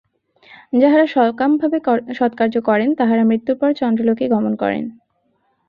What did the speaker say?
যাঁহারা সকামভাবে সৎকার্য করেন, তাঁহারা মৃত্যুর পর চন্দ্রলোকে গমন করেন।